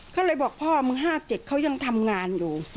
เขาเลยบอกพ่อมึง๕๗เขายังทำงานอยู่